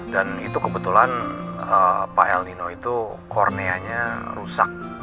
dan itu kebetulan pak el nino itu korneanya rusak